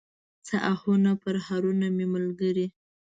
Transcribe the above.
څه آهونه، پرهرونه مې ملګري